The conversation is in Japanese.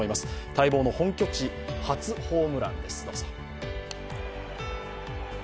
待望の本拠地初ホームランです。